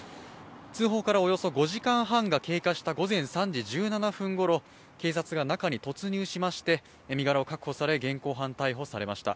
通報からおよそ５時間半が経過した午前３時１７分ごろ、警察が中に突入しまして身柄を確保され現行犯逮捕されました。